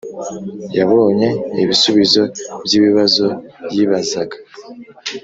Yabonye ibisubizo by’ibibazo yibazaga